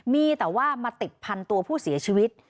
มีแต่ว่ามาติดพันตัวผู้เสียชีวิต